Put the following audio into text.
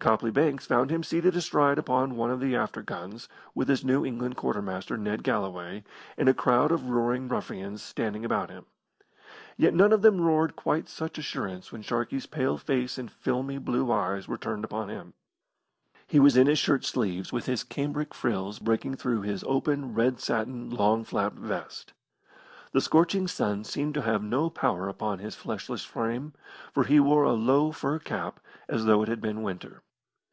Copley Banks found him seated astride upon one of the after guns, with his New England quartermaster, Ned Galloway, and a crowd of roaring ruffians standing about him. Yet none of them roared with quite such assurance when Sharkey's pale face and filmy blue eyes were tuned upon him. He was in his shirt sleeves, with his cambric frills breaking through his open red satin long flapped vest. The scorching sun seemed to have no power upon his fleshless frame, for he wore a low fur cap, as though it had been winter.